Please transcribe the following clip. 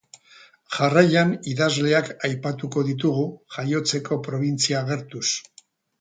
Jarraian, idazleak aipatuko ditugu, jaiotzeko probintzia agertuz.